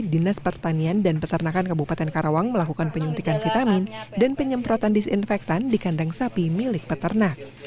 dinas pertanian dan peternakan kabupaten karawang melakukan penyuntikan vitamin dan penyemprotan disinfektan di kandang sapi milik peternak